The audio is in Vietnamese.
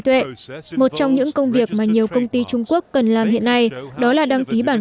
tuệ một trong những công việc mà nhiều công ty trung quốc cần làm hiện nay đó là đăng ký bản